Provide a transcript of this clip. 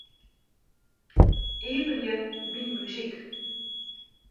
Iepenje Myn muzyk.